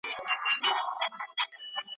موږ بايد د خپلي پوهني لپاره زحمت وباسو.